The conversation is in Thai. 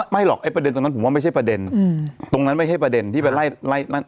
หรอกไอ้ประเด็นตรงนั้นผมว่าไม่ใช่ประเด็นตรงนั้นไม่ใช่ประเด็นที่ไปไล่นั่น